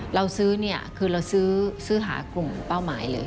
เราซื้อเนี่ยคือเราซื้อหากลุ่มเป้าหมายเลย